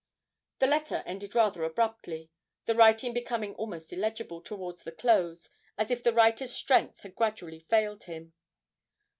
The letter ended rather abruptly, the writing becoming almost illegible towards the close, as if the writer's strength had gradually failed him.